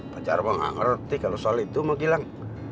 pak jarwo gak ngerti kalau soal itu mau bilang